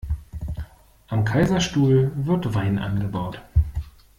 Am Kaiserstuhl wird Wein angebaut.